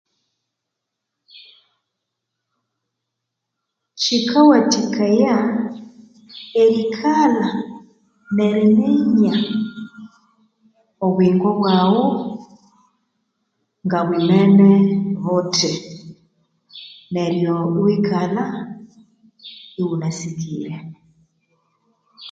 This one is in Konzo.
Kikawathikaya erikalha neriminya obuyingo bwaghu ngabwemine buthi neryo iwekalha wunasikire